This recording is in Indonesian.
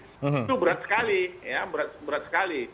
itu berat sekali ya berat sekali